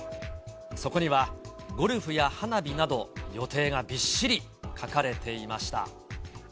そこにはゴルフや花火など、予定がびっしり書かれていました。